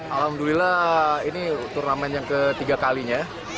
alhamdulillah ini turnamen yang ketiga kalinya